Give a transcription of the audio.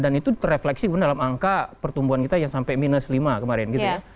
dan itu terefleksi dalam angka pertumbuhan kita yang sampai minus lima kemarin